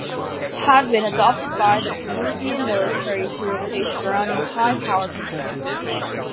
Had been adopted by the Peruvian Military to replace Browning Hi-Power pistols.